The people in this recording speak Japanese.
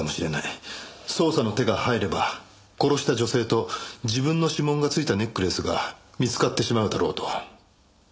捜査の手が入れば殺した女性と自分の指紋が付いたネックレスが見つかってしまうだろうと。